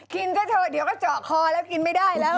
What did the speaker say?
กินเสร็จเถอะเดี๋ยวก็เจาะคอเลิศกินไม่ได้แล้ว